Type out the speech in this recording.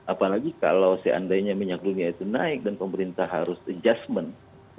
apalagi kalau seandainya minyak dunia itu naik dan pemerintah harus adjustment